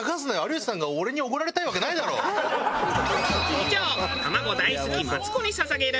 以上。